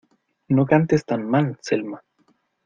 ¡No cantes tan mal, Selma!